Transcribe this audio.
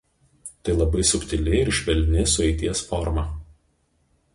Tai labai subtili ir švelni sueities forma.